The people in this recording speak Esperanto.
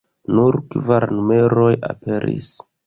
Nur kvar numeroj aperis.